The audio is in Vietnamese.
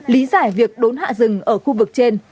lý giải việc đốn hạ rừng ở khu vực trên